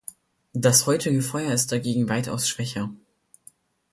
Das heutige Feuer ist dagegen weitaus schwächer.